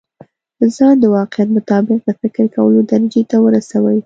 ځان د واقعيت مطابق د فکر کولو درجې ته ورسوي.